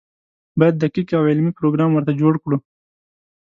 باید دقیق او علمي پروګرام ورته جوړ کړو.